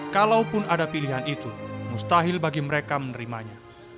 kalaupun ada pilihan itu mustahil bagi mereka menerimanya